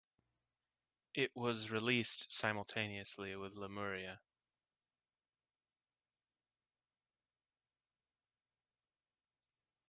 It was released simultaneously with "Lemuria".